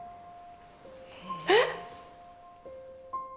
えっ